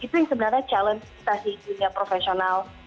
itu yang sebenarnya challenge kita di dunia profesional